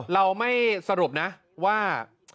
เราไม่สรุปนะว่า